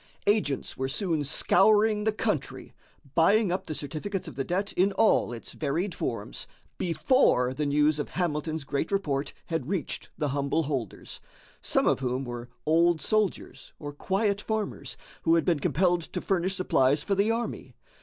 Agents were soon scouring the country, buying up the certificates of the debt in all its varied forms, before the news of Hamilton's great report had reached the humble holders, some of whom were old soldiers or quiet farmers who had been compelled to furnish supplies for the army.